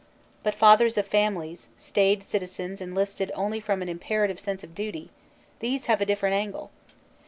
But fathers of families, staid citizens enlisted only from an imperative sense of duty; these have a different angle.